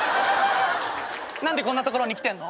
何でこんな所に来てんの？